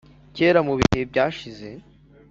kera mubihe byashize.